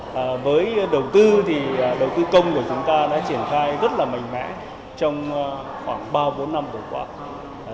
và với đầu tư thì đầu tư công của chúng ta đã triển khai rất là mạnh mẽ trong khoảng ba bốn năm vừa qua